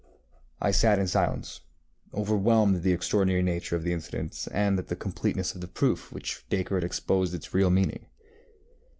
ŌĆØ I sat in silence, overwhelmed at the extraordinary nature of the incident, and at the completeness of the proof with which Dacre had exposed its real meaning.